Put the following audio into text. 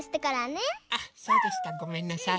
あそうでしたごめんなさい。